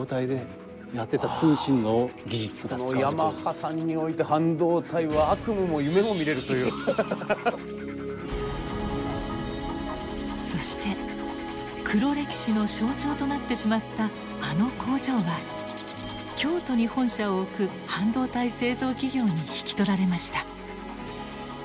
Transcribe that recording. ヤマハさんにおいてそして黒歴史の象徴となってしまったあの工場は京都に本社を置く半導体製造企業に引き取られました。